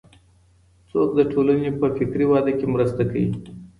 څوک د ټولني په فکري وده کي مرسته کوي؟